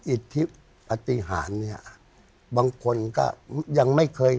อิทธิปฏิหารเนี่ยบางคนก็ยังไม่เคย